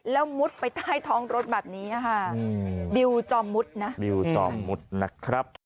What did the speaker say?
แล้วมุดไปใต้ท้องรถแบบนี้ฮะบิวจอมมุดนะครับ